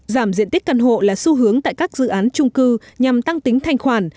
giảm diện tích căn hộ là xu hướng tại các dự án trung cư nhằm tăng tính thanh khoản